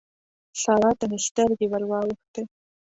سارا ته مې سترګې ور واوښتې.